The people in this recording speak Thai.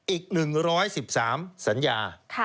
อีก๑๑๓สัญญา